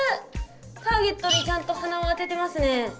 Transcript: ターゲットにちゃんと鼻をあててますね。